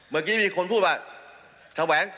เมื่อกี้มีคนพูดว่า